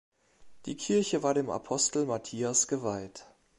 Die Kirche war dem Apostel Matthias geweiht.